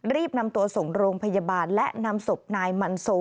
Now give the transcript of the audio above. รีบนำตัวส่งโรงพยาบาลและนำศพนายมันโซ